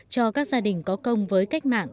cho các gia đình có công với cách mạng